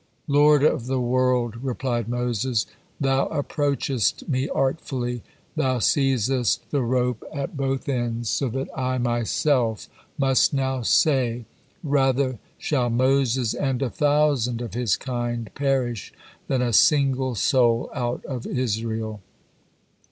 "Lord of the world!" replied Moses, "Thou approachest me artfully; Thou seizest the rope at both ends, so that I myself must now say, 'Rather shall Moses and a thousand of his kind perish, than a single soul out of Israel!'